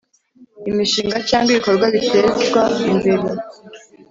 Imishinga cyangwa ibikorwa bitezwa imbere